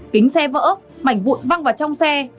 kính xe vỡ mảnh vụn văng vào trong xe